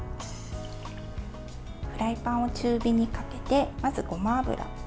フライパンを中火にかけてまず、ごま油。